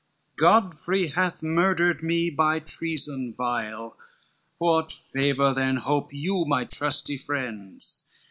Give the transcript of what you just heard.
LXI "Godfrey hath murdered me by treason vile, What favor then hope you my trusty friends?